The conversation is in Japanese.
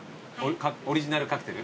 オリジナルカクテル？